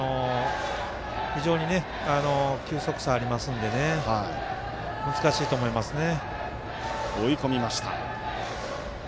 非常に球速差ありますので難しいと思いますね。